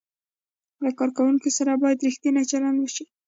له کارکوونکو سره هم باید ریښتینی چلند وشي.